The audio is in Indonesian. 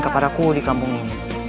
kepada aku di kampung ini